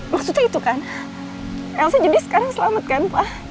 maksudnya itu kan elsa jadi sekarang selamat kan